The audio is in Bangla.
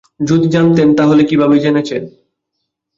যদি জানতেন, তাহলে কীভাবে জেনেছেন?